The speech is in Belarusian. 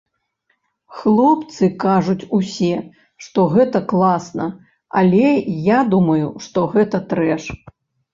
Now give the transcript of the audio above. Хлопцы кажуць усе, што гэта класна, але я думаю, што гэта трэш.